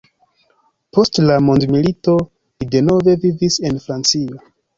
Post la mondomilito li denove vivis en Francio.